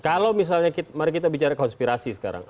kalau misalnya mari kita bicara konspirasi sekarang